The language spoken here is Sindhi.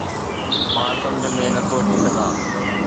مان سمجهه ۾ نٿو اچي سگهان